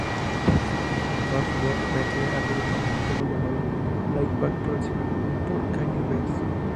Farnsworth Bentley ha publicado un tema llamado "Laid Back", producido por Kanye West.